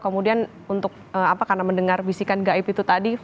kemudian untuk karena mendengar bisikan gaib itu tadi